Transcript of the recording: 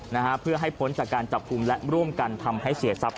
นะฮะเพื่อให้พ้นจากการจับกลุ่มและร่วมกันทำให้เสียทรัพย